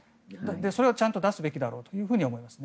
それをちゃんと出すべきだろうと思います。